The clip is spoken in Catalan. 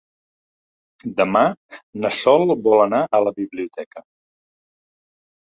Demà na Sol vol anar a la biblioteca.